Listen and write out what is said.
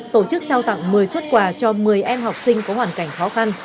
tổ chức trao tặng một mươi xuất quà cho một mươi em học sinh có hoàn cảnh khó khăn